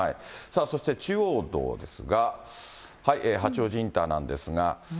そして中央道ですが、八王子インターなんですが。